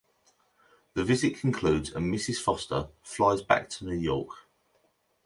The visit concludes, and Mrs. Foster flies back to New York.